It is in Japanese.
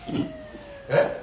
えっ？